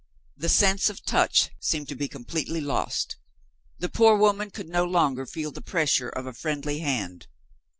The sense of touch seemed to be completely lost the poor woman could no longer feel the pressure of a friendly hand.